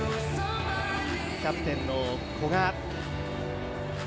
キャプテンの古賀。